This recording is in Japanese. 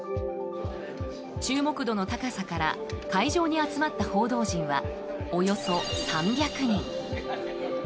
注目度の高さから会場に集まった報道陣はおよそ３００人。